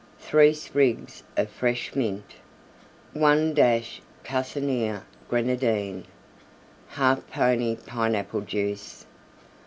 Three sprigs of fresh Mint. 1 dash Cusenier Grenadine. 1/2 pony Pineapple Juice.